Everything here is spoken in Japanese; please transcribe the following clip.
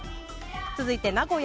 続いて、名古屋。